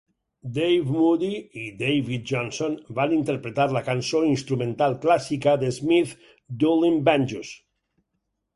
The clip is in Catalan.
Dave Moody i David Johnson van interpretar la cançó instrumental clàssica de Smith "Dueling Banjos".